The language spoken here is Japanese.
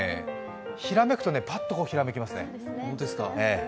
ひらめくとパッとひらめきますね。